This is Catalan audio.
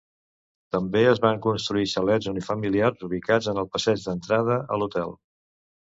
També es van construir xalets unifamiliars ubicats en el passeig d'entrada a l'hotel.